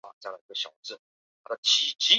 享年四十一岁。